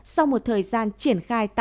sau một thời gian triển khai tạm